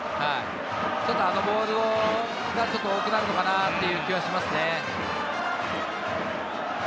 あのボールがちょっと多くなるのかなぁという感じがしますね。